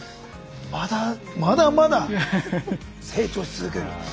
まだまだまだ成長し続ける。